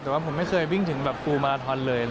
แต่ว่าผมไม่เคยวิ่งถึงแบบปูมาทอนเลย